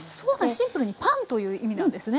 シンプルにパンという意味なんですね。